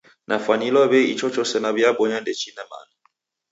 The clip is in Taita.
Nafwanilwa w'ei ichochose naw'iabonya ndechine mana.